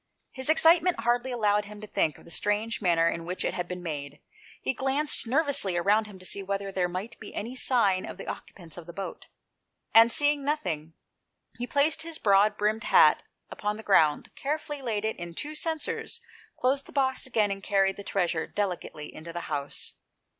His excitement hardly allowed him to think of the strange manner in which it had been made. He glanced nervously around him, to see whether there might be any sign of the occupants of the boat, and, seeing nothing, he placed his broad brimmed hat upon the ground, carefully laid in it the two censers, closed the box again, and carried his treasure delicately into the house.